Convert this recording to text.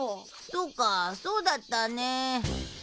そうかそうだったね。